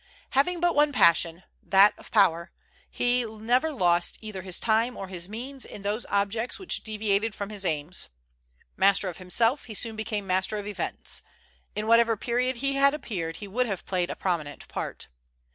"Having but one passion, that of power, he never lost either his time or his means in those objects which deviated from his aims. Master of himself, he soon became master of events. In whatever period he had appeared, he would have played a prominent part.